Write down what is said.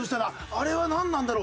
あれはなんなんだろう？